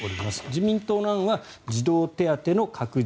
自民党の案は児童手当の拡充